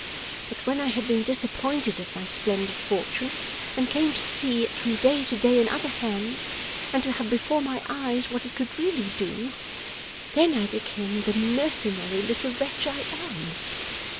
But when I had been disappointed of my splendid fortune, and came to see it from day to day in other hands, and to have before my eyes what it could really do, then I became the mercenary little wretch I am.